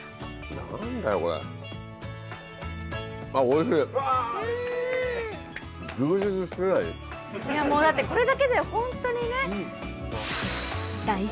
いやもうだってこれだけでホントにね。